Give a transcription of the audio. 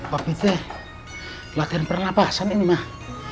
pak pite latihan pernapasan ini mah